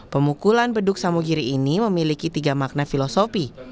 pemukulan beduk samugiri ini memiliki tiga makna filosofi